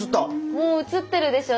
もう映ってるでしょ